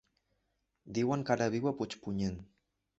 Diuen que ara viu a Puigpunyent.